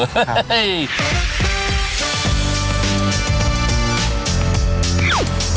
เฮ้ย